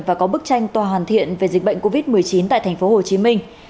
và có bức tranh toàn thiện về dịch bệnh covid một mươi chín tại thành phố hồ chí minh